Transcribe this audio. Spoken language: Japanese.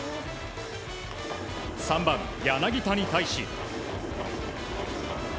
３番、柳田に対し。